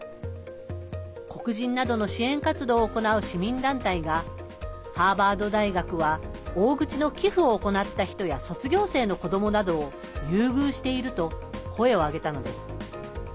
黒人などの支援活動を行う市民団体がハーバード大学は大口の寄付を行った人や卒業生の子どもなどを優遇していると声を上げたのです。